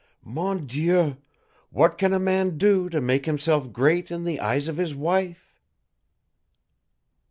Mon Dieu, what can a man do to make himself great in the eyes of his wife?"